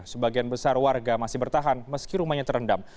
sebagian besar warga masih bertahan meski rumahnya terendam